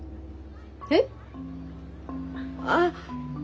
えっ？ああ。